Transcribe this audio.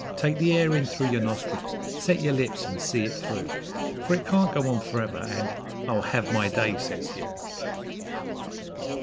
Take the air in through your nostrils, set your lips and see it through For it can't go on for ever, and 'I'll have my day!' says you.